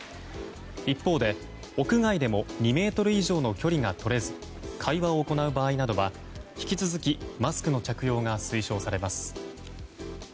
一方で、屋外でも２ｍ以上の距離が取れず会話を行う場合などは引き続きマスクの着用が推奨されます。